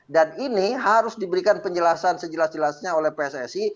dan ini harus diberikan penjelasan sejelas jelasnya oleh pssi